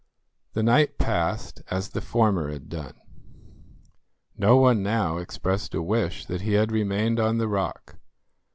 The night passed as the former had done. No one now expressed a wish that he had remained on the rock.